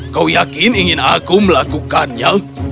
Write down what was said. kau yakin ingin aku melakukannya